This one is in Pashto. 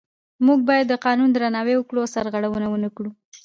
موږ باید د قانون درناوی وکړو او سرغړونه ونه کړو